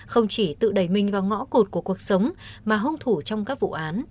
không chỉ tự đẩy mình vào ngõ cụt của cuộc sống mà hung thủ trong các vụ án